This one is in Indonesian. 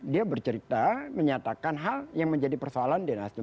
dia bercerita menyatakan hal yang menjadi persoalan di nasdem